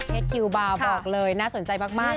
แมวทะเซกว่ากี่บาบบอกเลยน่าสนใจมาก